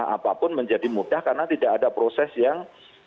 apapun menjadi mudah karena tidak ada proses yang